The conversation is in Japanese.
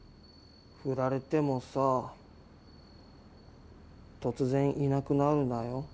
フラれてもさぁ突然いなくなるなよ。